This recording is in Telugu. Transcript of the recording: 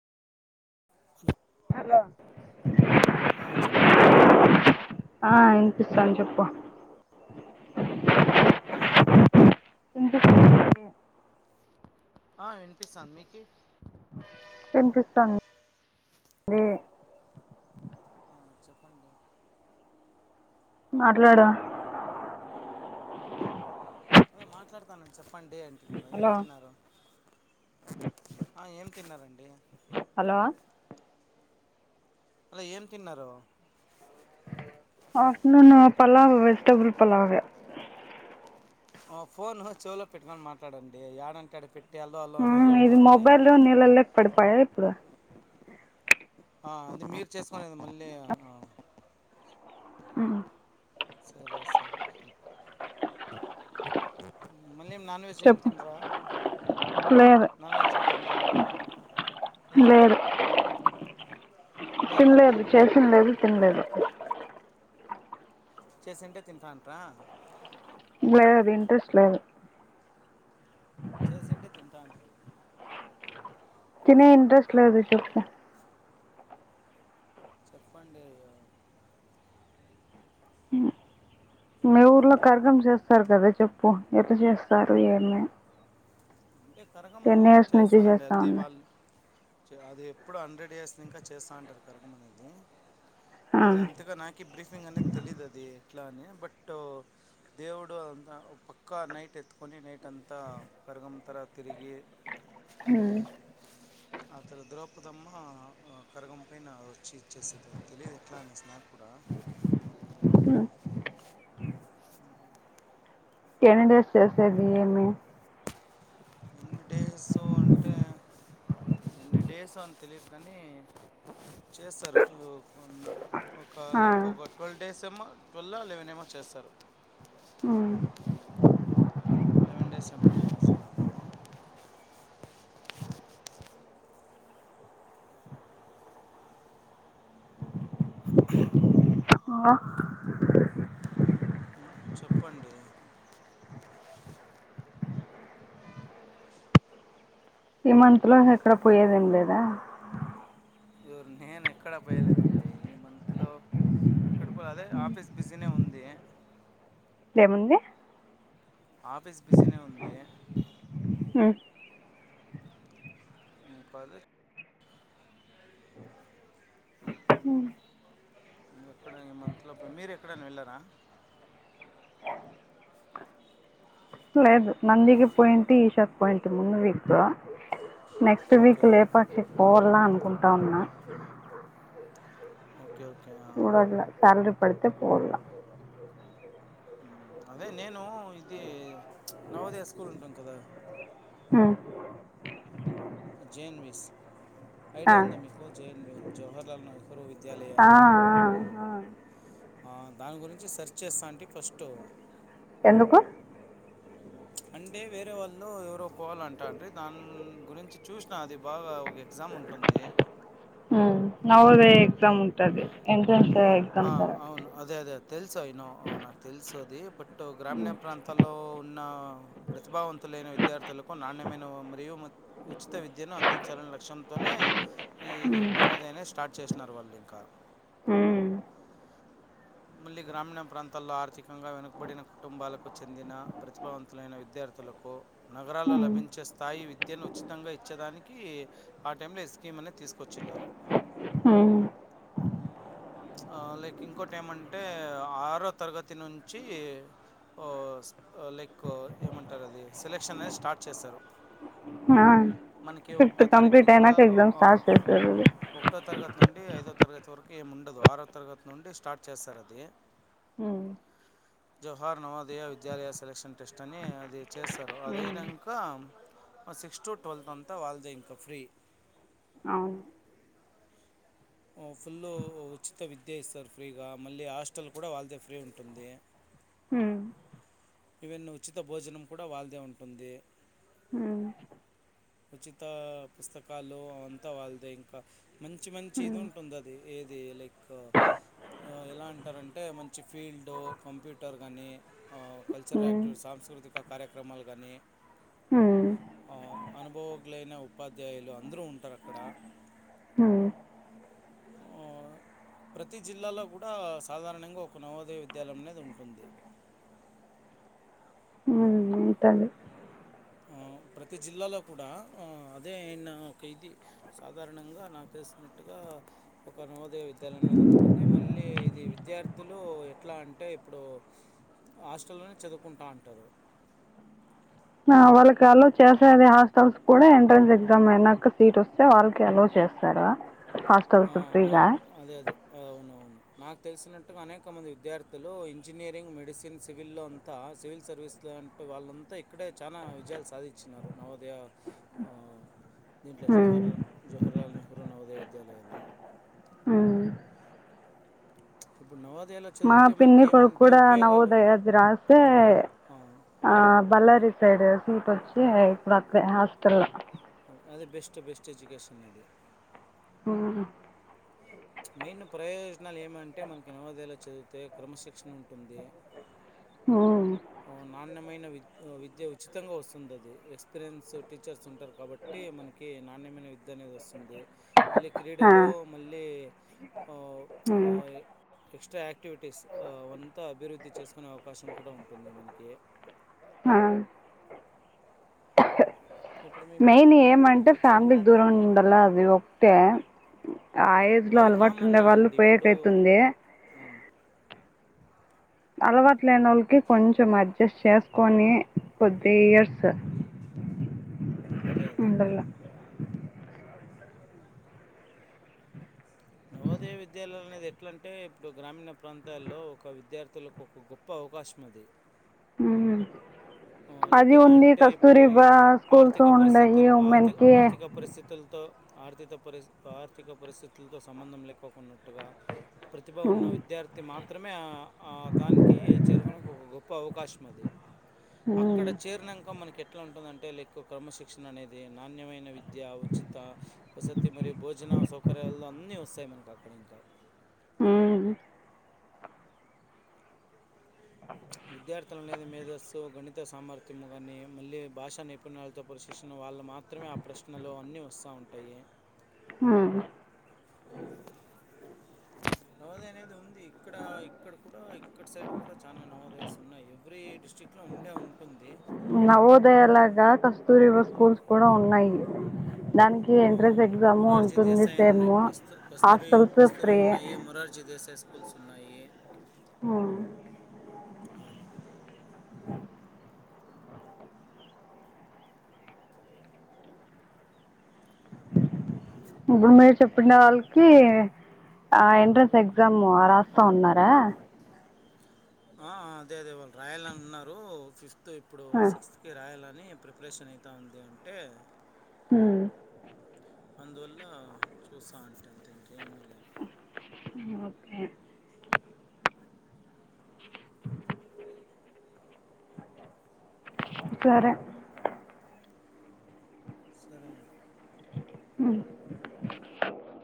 హలో [inaudible] ఆ చెప్పండి ఆ ఇనిపిస్తాంది చెప్పు హలో ఇనిపిస్తుందండీ ఆ వినిపిస్తాంది మీకీ వినిపిస్తాం దీ ఆ చెప్పండి మాట్లాడు అదే మాట్లాడుతాన చెప్పండి అని ఏం హలో తిన్నారు ఆ ఏం తిన్నారండి హలో హలో ఏం తిన్నారు ఆఫ్టర్నూన్ పలావ్ వెజిటబుల్ పలావే ఓ ఫోనూ చెవులో పెట్టుకొని మాట్లాడండి ఏడంటాడ పెట్ ఆ ఇది మొబైలు నీళ్లలోకి పడిపోయా ఇప్పుడు ఆ అది మీరు చేసుకొనేది మళ్ళీ ఉమ్ సరే సరే మళ్ళీ నాన్ వెజ్ ఏమి చెప్పు తినరా లేదు నాన్ వెజ్ ఏమి తినలేదా ఎలా లేదు అదే ఎందుకు అని తిన్లేదు చేసింటే తింటాంట్రా లేదు ఇంట్రెస్ట్ లేదు చేసింటే తింటా తిన ఇంట్రెస్ట్ లేదు చెప్పు చెప్పండి మీ ఊర్లో కరకం చేస్తారు కదా చెప్పు ఎట్ల చేస్తారు ఏంది అంటే కరగమ్ము చేస్తానండి చేస్తా అది ఉన్నారు వాళ్ అది ఎప్పుడు హండ్రెడ్ ఇయర్స్ ఇంకా చేస్తాంటారు కరగమనేది ఆ అదే అంతగా నాకే బ్రీఫింగ్ అనేది తెలీదది ఇట్లా అని బట్ దేవుడు అంత పక్కా నైట్ ఎత్తుకొని నైట్ అంతా పెరగం తరతిరిగీ హు ఆ తర ద్రౌపదమ్మ కరగం పైన వచ్చి ఇచ్చేసే త తెలియదు ఎట్లా అనేస్ నాక్కూడా మ్ ఎన్ని డేస్ చేసేది ఇయన్నీ ఎన్ని డేసు అంటే ఎన్ని డేసు అని తెలీదు గానీ చేస్తారు కొన్ని ఒక ఆ లైక్ ఒక టువల్వ్ డేస్ [inaudible] ట్వల్వ్ ఆ లెవెన్ ఏమో చేస్తారు మ్ లెవెన్ డేస్ ఏమో [inaudible] ఆ చెప్పండి ఈ మంత్ లో ఎక్కడ పోయేదేం లేదా ఎవరు నేనెక్కడా పోయేద్ లేదండి ఈ మంత్లో ఎక్కడ పో అదే ఆఫీస్ బిజీనే ఉంది ఉంది ఆఫీస్ బిజీనే ఉంది మ్ ఇంకది ఎక్కడ ఈ మంత్లో పోయి మీరెక్కడైనా వెళ్ళారా లేదు నందికి పోయింటి ఈషాకి పోయింటి ముందు వీక్ నెక్స్ట్ వీక్ ఓకే లేపాక్షికి పోవలా అనుకుం త్తాన్నా ఓకే ఓకే ఆ. చూడదుల సాలరి పడితే పోడలా మ్ అదే నేను ఇది నవోదయ స్కూల్ ఉంటుం కదా ఉ జె యెన్ వి స్ ఆ ఐడియా ఉందా మీకు జే ఎన్ వి జహర్లాల్ నెహ్ హ్రు ఆ విద్యాలయాన్ని ఆ ఆ ఆ దాని గురించి సెర్చ్ చేస్తా అంటే ఫస్ట్ ఎందుకు అంటే వేరే వాళ్ళు ఎవరో పోవాలంటాండ్రి దాని గురించి చూసినా అది బాగా ఒక ఎగ్జామ్ ఉంటుంది మ్ నవోదయ ఎగ్జాం ఉంటది ఆ, [unintelligible] అవును అదే అదే తెలుసు ఐ నో నాకు తెల్స్ [unintelligible] ది బట్ టు గ్రామీణ ప్రాంతాల్లో ఉన్న ప్రతిభావంతులైన విద్యార్థులకు నాణ్యమైన మరియు ఉచిత విద్యను అందించాలనే లక్ష్యంతోనే ఇది నమోదయా ని స్టార్ట్ చేస్ న్నారు వాళ్ళు ఇంకా మ్ మళ్ళీ గ్రామీణ ప్రాంతాల్లో ఆర్థికంగా వెనుకబడిన కుటుంబాలకు చెందిన ప్రతిభావంతులైన విద్యార్థులకు నగరాల్లో ఉమ్ లభించే స్థాయి విద్యను ఉచితంగా ఇచ్చేదానికి ఆ టైంలో ఈ స్కీం ని తీసుకొచ్చిన్నారు ఉమ్ లైక్ ఇంకోటేమంటే ఆరో తరగతి నుంచి ఓ లైక్ ఏమంటారది సెలెక్షన్ అనేది స్టార్ట్ చేశారు ఆ మనకి ఫిఫ్త్ ఒకటో కంప్లీట్ తారీఖునింకా అయినాక ఎగ్జామ్ ఆ స్టార్ట్ చేశారు ఇది ఒకటో తరగతి నుండి ఐదో తరగతి తుర్కే ముం ఉండదు ఆరో తరగతి నుండి స్టార్ట్ చేస్తారు అది ఉమ్ జవహర్ నవోదయ విద్యాలయ సెలక్షన్ టెస్ట్ అని అది చేస్తారు అద ఉమ్ అయినంక సిక్స్ టు ట్వెల్త్ అంతా వాళ్ళదే ఇంక ఫ్రీ అవును ఫుల్ ఉచిత విద్య ఇస్తారు ఫ్రీగా మళ్ళీ హాస్టల్ కూడా వాళ్ళదే ఫ్రీ ఉంటుంది ఉమ్ ఇవన్నీ ఉచిత భోజనం కూడా వాళ్ళదే ఉంటుంది ఉచిత పుస్తకాలు అ అంతా వాళ్ళదే ఇంకా మంచి మంచి ఇది ఉమ్ ఉంటుంది అది ఏది లైక్ ఎలా అంటారంటే మంచి ఫీల్డ్ కంప్యూటర్ గానీ కల్చరల్ యాక్టివి సాంస్కృతిక కార్యక్రమాలు గానీ ఉ అనుభవజ్ఞులైన ఉపాధ్యాయులు అందరూ ఉంటరు అక్కడ ఉ ప్రతి జిల్లాలో కూడా సాధారణంగా ఒక నవోదయ విద్యాలయం అనేది ఉంటుంది ఉంటాలి ఉ ప్రతి జిల్లాలో కూడా అదేనా ఒక ఇది సాధారణంగా నాకు తెలిసినట్టుగా ఒక నవోదయ విద్యాలయం అనేది ఉంటుంది మళ్ళీ ఇది విద్యార్థులు ఎట్లా అంటే ఇప్పుడు హాస్టల్లోనే చదువుకుంటా అంటరు వాళ్ళకి అలోవ్ చేసేది హాస్టల్స్ కూడా ఎంట్రెన్స్ ఎగ్జామ్ అయినాక సీట్ వస్తే వాళ్ళకి అలో చేస్తారా ఆ నాకు అదే అదే అవునవును నాకు తెలిసినట్టుగా అనేక మంది విద్యార్థులు ఇంజనీరింగ్ మెడిసిన్ సివిల్లో అంతా సివిల్ సర్వీస్ లాంటి వాళ్ళంతా ఇక్కడే చానా విజయాలు సాధించినారు నవోదయ ఉ దీంట్లో ఉమ్ జహర్లు జహర్లాల్ నెహ్రూ నవోదయ తెలెను ఉమ్ మా చదివితే పిన్ని మనకి కొడుకు ఏమంటే కూడా ఉపయోగాలు నవోదయ ది రాసే ఆ, ఆ బళ్ళారి సైడే సిటు అచ్చి బక్కే హాస్టలో అదే బెస్ట్ బెస్ట్ ఎజ్యుకేషన్ అది ఉ హు మెయిన్ ప్రయోజనాలు ఏమంటే మనకి నవోదయలో చదివితే క్రమశిక్షణ ఉంటుంది హ నాణ్యమైన వి విద్య ఉచితంగా వస్తుంది అది ఎక్స్పీరియన్స్ టీచర్స్ ఉంటరు కాబట్టి మనకి నా నాణ్యమైన విద్య అనేది వస్తుంది మళ్ళీ ఆ! క్రీడలు మళ్ళీ ఒ హ్మ్. అయి కి ఎక్స్ట్రా యాక్టివిటీస్ అవంత అభివృద్ధి చేసుకునే అవకాశం కూడా ఉం పందోమిదికే ఆ ఇప్పుడు మీ పి మెయిన్ పిన్ని ఏమంటే కొడుకు ఫ్యామిలీకి చేరినాడు దూరం అంటే ఉండాల అది ఒకటే ఆ ఏజ్ లో అవి అలవాటు కామన్ ఉండే వాళ్ళు అండి ఇప్పుడు పోయేకైతుంది అవును, అలవాట్ లేనొల్కి కొంచెం అడ్జస్ట్ చేసుకొని కొద్ది ఇయర్స్ అదే అదే ఉండళ్ల నవోదయ విద్యాలు అనేది ఎట్లంటే ఇప్పుడు గ్రామీణ ప్రాంతాల్లో ఒక విద్యార్థులకు ఒక గొప్ప అవకాశముంది ఉ లైక్ ఎలా అంటే ఇప్పుడు బా స్కూల్స్ ఆర్థిక ఉండయి పరిస్థితులు ఆర్థి ఉమెన్‌కి. ఆర్థిక పరిస్థితులతో ఆర్థిత పరిస్ ఆర్థిక పరిస్థితులతో సంబంధం లేకోకున్నట్టుగా ప్రతిభ ఉన్న హ్మ్. విద్యార్థి మా మాత్రమే ఆ ఆ దానికి చేరుకొనుకు ఒక గొప్ప అవకాశం అది హ్మ్. అక్కడ చేరినంక మనకి ఎ ఎట్ల ఉంటుందంటే లైక్ క్రమశిక్షణ అనేది నాణ్యమైన వి విద్య ఉచిత వసతి మరియు భోజన సౌ ప్రలలు అన్నీ వస్తాయి [unintelligible] [unintelligible] హమ్ విద్యార్థులనేది మేధస్సు గణిత సామర్థ్యము కానీ మళ్ళీ భాషా నైపుణ్యాలతో పరిశీలిక్షిన వాళ్ళు మాత్రమే ఆ ప్రశ్నలు అన్నీ వస్తూ ఉంటాయి ఆ నవోదయ్ అనేది ఉంది ఇక్కడ ఇక్కడ కూడా ఇక్కడ సైడ్ కూడా చాలా నవోదయస్ ఉన్నాయి ఎవ్రీ డిస్టి్రిక్ట్లో ఉండే ఉంటుంది నవోదయలాగా కస్తూరివ స్కూల్స్ కూడా ఉన్నాయి దానికి ఎంట్రన్స్ అవునవును ఎగ్జాము మురార్జీ ఉంటుంది దేసాయని ఉన్నాయిూ same Kasturi hostels Kasturi free ఉన్నాయి మురార్జీ దేసాయి స్కూల్స్ ఉన్నాయి ఆ అవును ఇప్పుడు మీరు చెప్పిన వాళ్ళకి ఆ ఎంట్రన్స్ ఎగ్జామ్ రాస్తా ఉన్నారా ఆ అదే అదే వాళ్ళు రాయాలని ఉన్నారు ఫిఫ్ ఇప్పుడు సిక్స్త్ కి రాయాలని అని ప్రిపరేషన్ అయిత ఉంది అంటే హ అందువల్ల చూస్తా అంటానుంకేమి ఒకే ఇప్పురే సరం హమ్